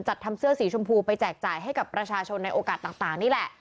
ทำเสื้อสีชมพูไปแจกจ่ายให้กับประชาชนในโอกาสต่างนี่แหละ